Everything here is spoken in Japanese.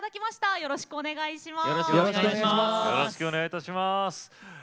よろしくお願いします。